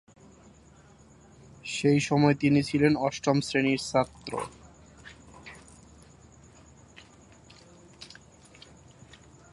সেই সময়ে তিনি ছিলেন অষ্টম শ্রেণীর ছাত্র।